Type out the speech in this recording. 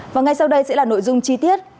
và ngay sau đây sẽ là nội dung chi tiết